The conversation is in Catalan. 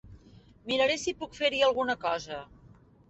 Miraré si puc fer-hi alguna cosa.